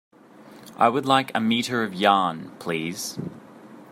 I would like a meter of Yarn, please.